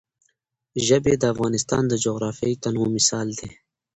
ژبې د افغانستان د جغرافیوي تنوع مثال دی.